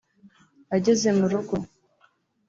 Ageze mu rugo